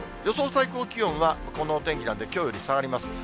最高気温は、こんなお天気なんできょうより下がります。